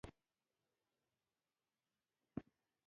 د ميوو وچولو مرکزونه د ضایعاتو مخه نیسي.